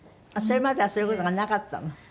それまではそういう事がなかったの？